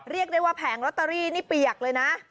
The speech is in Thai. เรียกได้ว่าแผงลอตเตอรี่นี่เปียกเลยนะ